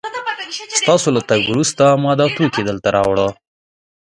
ستاسو له تګ وروسته ما دا توکي دلته راوړل